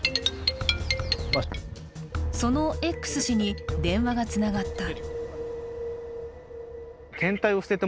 そのＸ氏に電話がつながった。